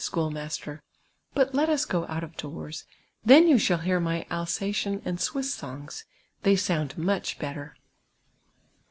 scliool master ; but let us ^o out of doors ; then you shall licar uiy Alsatian and Swiss sonj^s ; they sound much better."